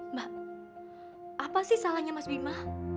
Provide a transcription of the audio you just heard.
mbak apa sih salahnya mas bima